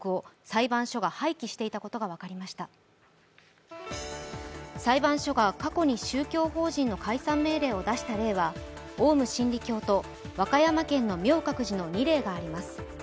裁判所が過去に宗教法人の解散命令を出した例はオウム真理教と和歌山県の明覚寺の２例があります。